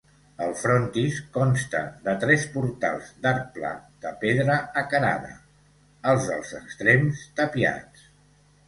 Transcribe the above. El frontis consta de tres portals d'arc pla de pedra acarada, els dels extrems tapiats.